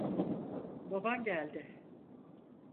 Baban geldi.